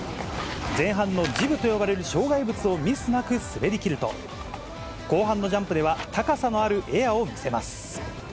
前半のジブと呼ばれる障害物をミスなく滑り切ると、後半のジャンプでは高さのあるエアを見せます。